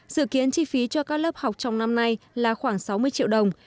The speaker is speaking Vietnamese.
dự kiến chi phí cho các lớp học trong năm nay là khoảng sáu mươi triệu đồng